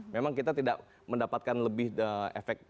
memang kita tidak mendapatkan lebih efektif